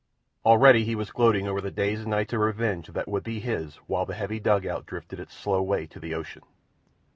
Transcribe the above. Already he was gloating over the days and nights of revenge that would be his while the heavy dugout drifted its slow way to the ocean.